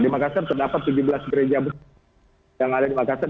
di makassar terdapat tujuh belas gereja yang ada di makassar